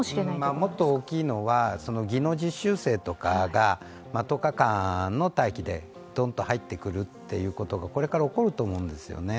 もっと大きいのは、技能実習生とかが１０日間の待機でどんと入ってくるということがこれから起こると思うんですよね。